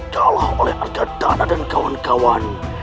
dalah oleh harga dana dan kawan kawan